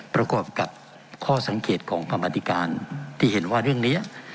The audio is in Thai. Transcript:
ประกอบกับข้อสังเกตของกรรมธิการที่เห็นว่าเรื่องนี้